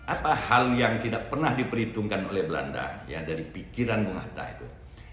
apa hal yang tidak pernah diperhitungkan oleh belanda dari pikiran bung hatta itu